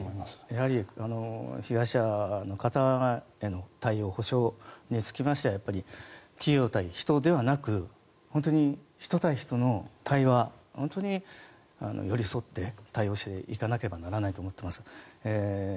やはり被害者の方への対応・補償につきましては企業対人ではなく本当に人対人の対話寄り添って対応していかなければいけないと思っています。